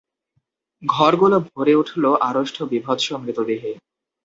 ঘরগুলো ভরে উঠল আড়ষ্ট বীভৎস মৃতদেহে।